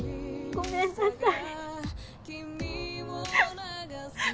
ごめんなさい。